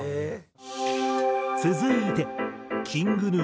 続いてＫｉｎｇＧｎｕ